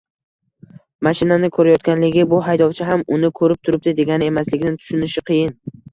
mashinani ko‘rayotganligi bu – haydovchi ham uni ko‘rib turibdi degani emasligini tushunishi qiyin.